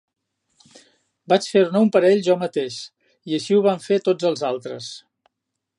Vaig fer-ne un parell jo mateix, i així ho van fer tots els altres.